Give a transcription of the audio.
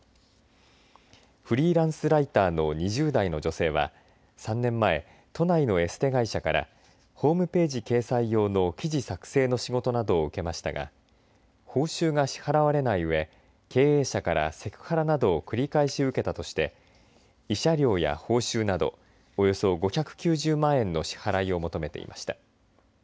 フリーランスライターの２０代の女性は３年前、都内のエステ会社からホームページ掲載用の記事作成の仕事などを受けましたが報酬が支払われないうえ経営者からセクハラなどを繰り返し受けたとして慰謝料や報酬などおよそ５９０万円の支払いを求めていました。